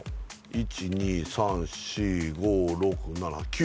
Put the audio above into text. １２３４５６７